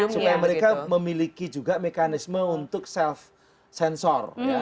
supaya mereka juga memiliki mekanisme untuk self censor